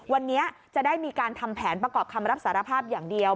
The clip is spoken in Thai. วันนี้จะได้มีการทำแผนประกอบคำรับสารภาพอย่างเดียว